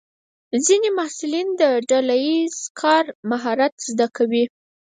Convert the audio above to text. ځینې محصلین د ډله ییز کار مهارت زده کوي.